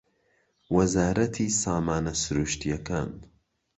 وەزارەتی سامانە سروشتییەکان